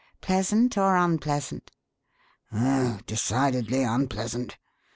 Pleasant or unpleasant?" "Oh, decidedly unpleasant.